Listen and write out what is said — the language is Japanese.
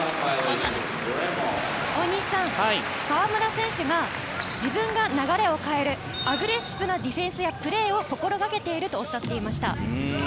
大西さん河村選手が自分が流れを変えるアグレッシブなディフェンスやプレーを心掛けていると話していました。